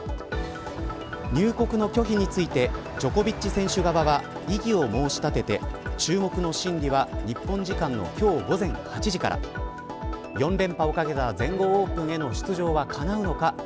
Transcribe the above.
入国の拒否についてジョコビッチ選手側は異議を申し立てて注目の審理は日本時間の今日午前８時から４連覇をかけた全豪オープンへの出場は、かなうのか。